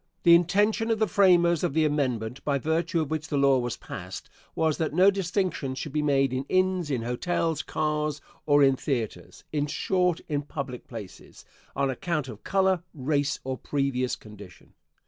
The intention of the framers of the amendment, by virtue of which the law was passed, was that no distinction should be made in inns, in hotels, cars, or in theatres; in short, in public places, on account of color, race, or previous condition.